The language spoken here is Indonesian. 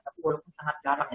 tapi walaupun sangat jarang ya